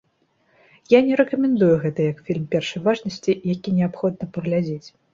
Я не рэкамендую гэта як фільм першай важнасці, які неабходна паглядзець.